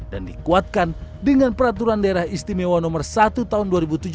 dan dikuatkan dengan peraturan daerah istimewa nomor satu tahun dua ribu tujuh belas